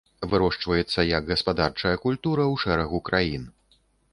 Вырошчваецца, як гаспадарчая культура ў шэрагу краін.